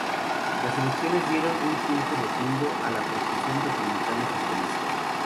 Las elecciones dieron un triunfo rotundo a la Conjunción Republicano-Socialista.